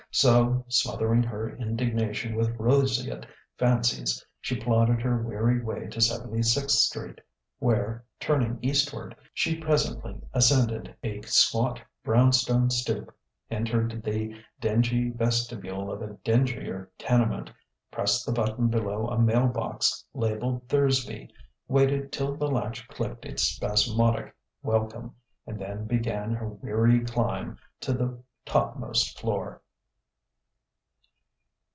So, smothering her indignation with roseate fancies, she plodded her weary way to Seventy sixth Street; where, turning eastward, she presently ascended a squat brown stone stoop, entered the dingy vestibule of a dingier tenement, pressed the button below a mail box labelled "Thursby," waited till the latch clicked its spasmodic welcome, and then began her weary climb to the topmost floor.